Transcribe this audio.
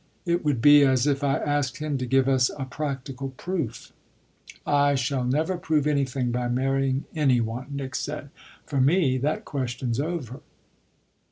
It would be as if I asked him to give us a practical proof." "I shall never prove anything by marrying any one," Nick said. "For me that question's over."